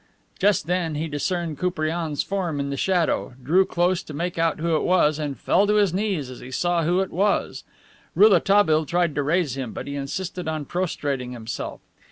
Just then he discerned Koupriane's form in the shadow, drew close to make out who it was, and fell to his knees as he saw who it was. Rouletabille tried to raise him, but he insisted on prostrating himself.